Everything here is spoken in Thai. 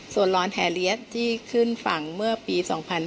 ส่วนลอนแฮเลียสที่ขึ้นฝั่งเมื่อปี๒๕๕๙